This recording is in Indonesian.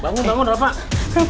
bangun bangun rafa